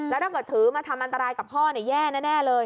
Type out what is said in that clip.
แล้วถ้าเกิดถือมาทำอันตรายกับพ่อแย่แน่เลย